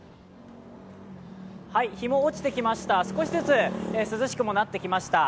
日も落ちてきました、少しずつ涼しくもなってきました。